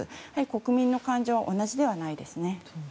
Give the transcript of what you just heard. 国民の感情は同じではないですね。